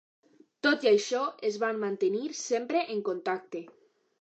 Tot i això, es van mantenir sempre en contacte.